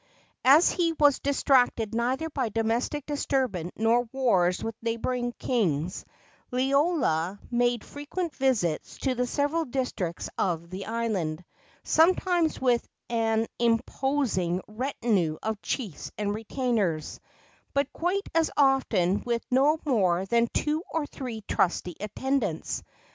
As he was distracted neither by domestic disturbance nor wars with neighboring kings, Liloa made frequent visits to the several districts of the island, sometimes with an imposing retinue of chiefs and retainers, but quite as often with no more than two or three trusty attendants.